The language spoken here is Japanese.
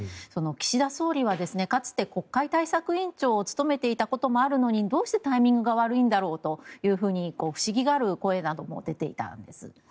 岸田総理はかつて国会対策委員長を務めていたこともあるのにどうしてタイミングが悪いんだろうと不思議がる声も出ていたんです。